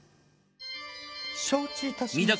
承知致しました。